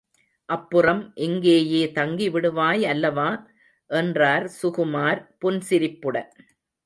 அப்புறம் இங்கேயே தங்கி விடுவாய் அல்லவா? என்றார் சுகுமார் புன்சிரிப்புடன்.